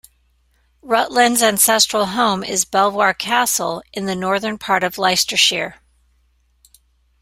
Rutland's ancestral home is Belvoir Castle in the northern part of Leicestershire.